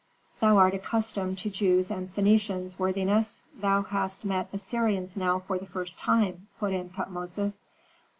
"Thou art accustomed to Jews and Phœnicians, worthiness, thou hast met Assyrians now for the first time," put in Tutmosis.